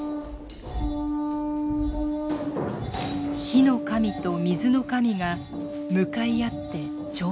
火の神と水の神が向かい合って跳躍します。